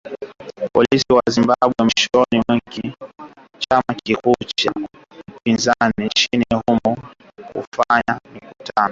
Polisi wa Zimbabwe mwishoni mwa wiki walikizuia chama kikuu cha upinzani nchini humo kufanya mikutano